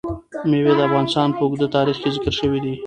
مېوې د افغانستان په اوږده تاریخ کې ذکر شوی دی.